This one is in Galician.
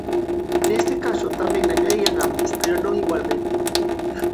Neste caso tamén gañarían ambos, pero non igualmente.